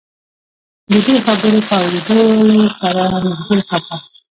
د دې خبرو په اورېدلو سره نورګل کاکا،